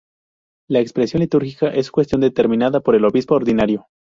La expresión litúrgica es una cuestión determinada por el obispo ordinario.